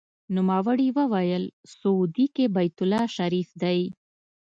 نوموړي وویل: سعودي کې بیت الله شریف دی.